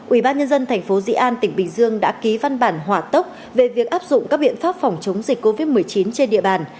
ủy ban nhân dân thành phố dị an tỉnh bình dương đã ký văn bản hỏa tốc về việc áp dụng các biện pháp phòng chống dịch covid một mươi chín trên địa bàn